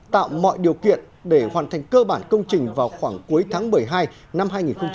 tạo mọi điều kiện để hoàn thành cơ bản công trình vào khoảng cuối tháng một mươi hai năm hai nghìn hai mươi